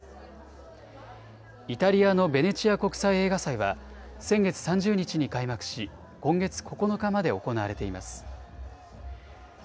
イタリアのベネチア国際映画祭は先月３０日に開幕し今月９日まで行われています。